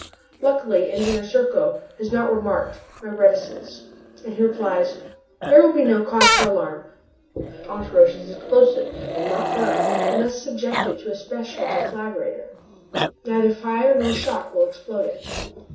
Luckily Engineer Serko has not remarked my reticence, and he replies: "There will be no cause for alarm. Thomas Roch's explosive will not burn unless subjected to a special deflagrator. Neither fire nor shock will explode it."